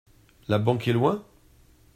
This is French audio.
La banque est loin ?